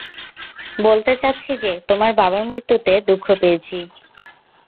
বলতে চাচ্ছি যে, তোমার বাবার মৃত্যুতে দুঃখ পেয়েছি।